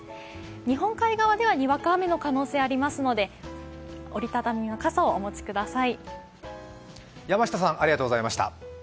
日本海側ではにわか雨の可能性ありますので折り畳みの傘をお持ちください。